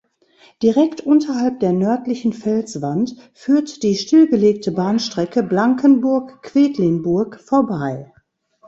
Direkt unterhalb der nördlichen Felswand führt die stillgelegte Bahnstrecke Blankenburg–Quedlinburg vorbei.